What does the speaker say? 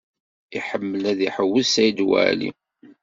Iḥemmel ad iḥewwes Saɛid Waɛli.